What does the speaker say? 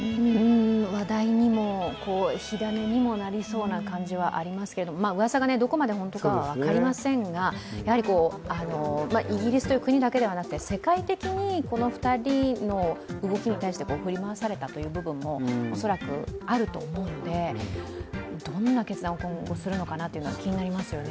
話題にも、火種にもなりそうな感じはありますけど、うわさがどこまで本当は分かりませんが、イギリスという国だけでなく世界的にこの２人の動きに対して振り回されたという部分も恐らくあると思うので、どんな決断を今後するのかなというのは気になりますね。